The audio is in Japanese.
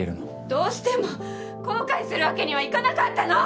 どうしても後悔するわけにはいかなかったの！